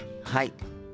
はい。